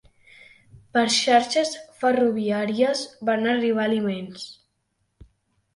Per xarxes ferroviàries van arribar aliments.